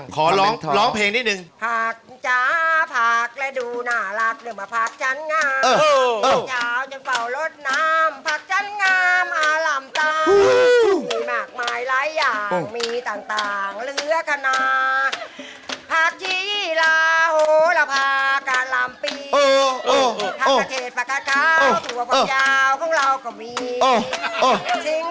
ขอร้องเพลงนิดหนึ่ง